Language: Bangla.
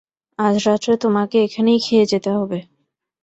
আজ রাত্রে তোমাকে এখানেই খেয়ে যেতে হবে।